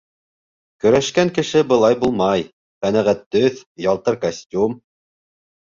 Көрәшкән кеше былай булмай: ҡәнәғәт төҫ, ялтыр костюм!